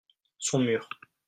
son mur.